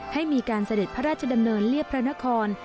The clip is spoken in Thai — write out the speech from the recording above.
ให้มีการเสด็จพระราชดำเนินเรียบพระนคร